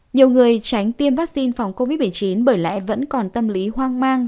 nhiều người tránh tiêm vaccine phòng covid một mươi chín bởi lẽ vẫn còn tâm lý hoang mang